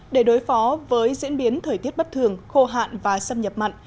để đối phó với diễn biến thời tiết bất thường khô hạn và xâm nhập mặn